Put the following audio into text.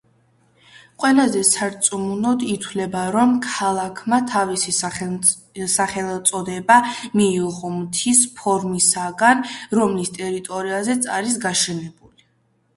ყველაზე სარწმუნოდ ითვლება, რომ ქალაქმა თავისი სახელწოდება მიიღო მთის ფორმისაგან, რომლის ტერიტორიაზეც არის გაშენებული.